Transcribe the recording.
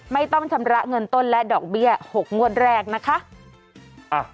ไม่ต้องชำระเงินต้นและดอกเบี้ย๖งวดแรกนะคะ